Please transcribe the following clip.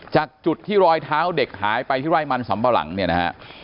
จากจุดที่รอยเท้าเด็กหายไปที่ไร่มันสำปะหลังเนี่ยนะฮะ